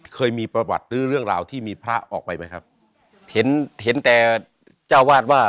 เคยมีประวัติหรือเรื่องราวที่มีพระออกไปไหมครับเห็นเห็นแต่เจ้าวาดว่า